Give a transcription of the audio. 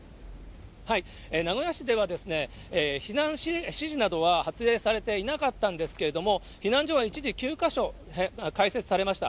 名古屋市では、避難指示などは発令されていなかったんですけれども、避難所は一時９か所開設されました。